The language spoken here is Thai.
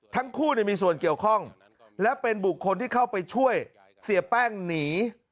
ทั้งคู่มีส่วนเกี่ยวข้องและเป็นบุคคลที่เข้าไปช่วยเสียแป้งหนี